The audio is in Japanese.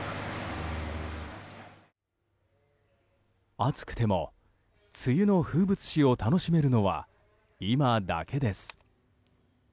暑くても、梅雨の風物詩を楽しめるのは今だけです。